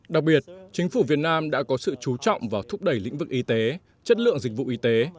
đặc biệt chính phủ việt nam đã có sự chú trọng vào thúc đẩy lĩnh vực y tế chất lượng dịch vụ y tế